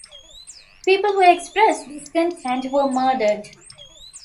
People who expressed discontent were murdered.